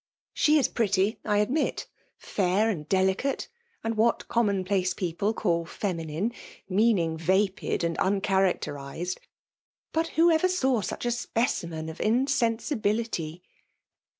t '« ^le is pretty, I admit ; fair and deUcat^ and what common place people call femini]^ meaning vapid and uncharacterized. But who ever saw such a speci^nen of insensi bility?"